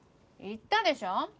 言ったでしょう？